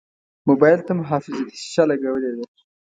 موبایل ته محافظتي شیشه لګولې ده.